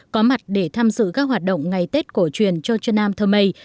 có mặt để tham dự các hoạt động ngày tết cổ truyền chon chon nam thơ mây